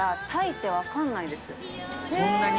そんなに。